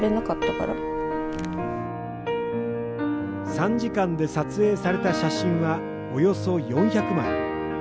３時間で撮影された写真はおよそ４００枚。